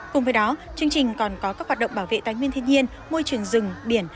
cùng với đó chương trình còn có các hoạt động bảo vệ tánh nguyên thiên nhiên môi trường rừng biển